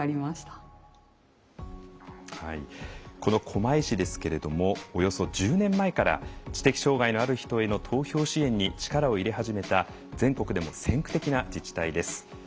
狛江市ですけれどもおよそ１０年前から知的障害のある人への投票支援に力を入れ始めた全国でも先駆的な自治体です。